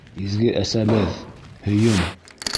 — Изге Әсәбеҙ, һөйөн!